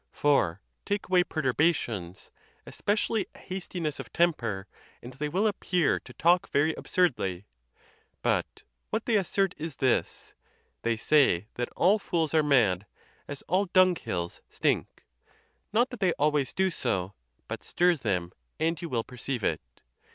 for, take away per turbations, especially a hastiness of temper, and they will appear to talk very absurdly. But what they assert is this: they say that all fools are mad, as all dunghills stink ; not that they always do so, but stir them, and you will perceive it.